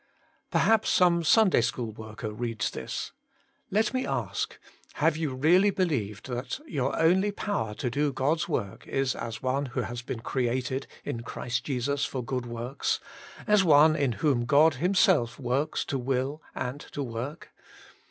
Perhaps some Sunday school worker reads this. Let me ask, Have you really believed that your only power to" do God's work is as one who has been created in Christ Jesus for good works, as one in whom God Himself works to will and to work?